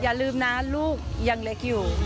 อย่าลืมนะลูกยังเล็กอยู่